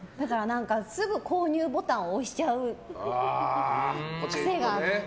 すぐ購入ボタンを押しちゃう癖があって。